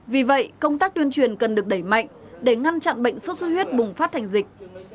vì vậy công tác tuyên truyền cần được đẩy mạnh để ngăn chặn bệnh sốt xuất huyết bùng phát thành dịch